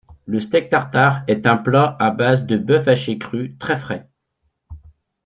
Le steak tartare est un plat à base de bœuf haché cru très frais.